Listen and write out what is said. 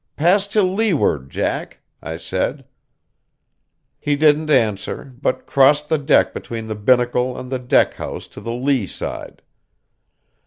"Pass to leeward, Jack," I said. He didn't answer, but crossed the deck between the binnacle and the deck house to the lee side.